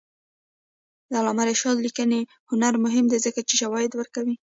د علامه رشاد لیکنی هنر مهم دی ځکه چې شواهد ورکوي.